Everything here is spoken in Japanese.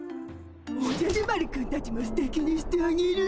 おじゃる丸くんたちもすてきにしてあげる。